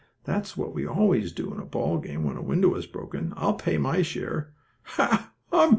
"That's what we always do in a ball game when a window is broken. I'll pay my share." "Ha! Hum!"